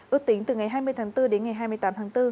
ước tính từ ngày hai mươi tháng bốn đến ngày hai mươi tám tháng bốn